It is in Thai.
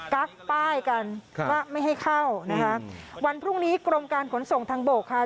กักป้ายกันว่าไม่ให้เข้านะคะวันพรุ่งนี้กรมการขนส่งทางบกค่ะ